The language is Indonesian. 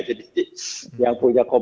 jadi yang punya komoditas